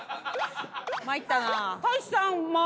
参ったな。